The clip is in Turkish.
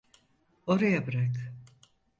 Oraya bırak.